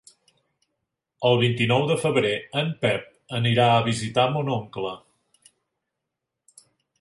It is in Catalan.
El vint-i-nou de febrer en Pep anirà a visitar mon oncle.